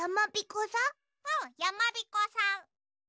うんやまびこさん。